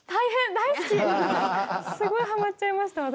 すごいハマっちゃいました私。